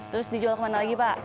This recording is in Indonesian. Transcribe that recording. terus dijual kemana lagi pak